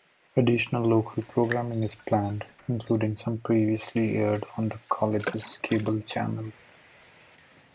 Additional local programming is planned, including some previously aired on the college's cable channel.